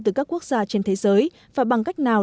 từ các quốc gia trên thế giới và bằng cách nào